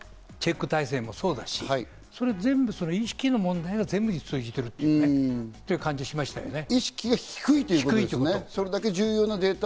それがすべてに、チェック体制もそうだし、全部意識の問題に通じているという感じがしましたね。